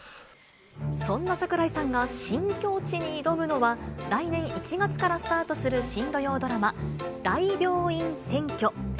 そんな櫻井さんが新境地に挑むのは、来年１月からスタートする新土曜ドラマ、大病院占拠。